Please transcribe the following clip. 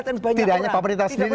tidak hanya pemerintah sendiri